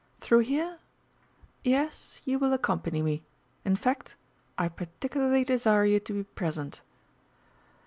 Through here? Yes, you will accompany me in fact, I particularly desire you to be present."